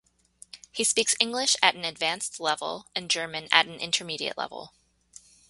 He speaks English at an advanced level and German at an intermediate level.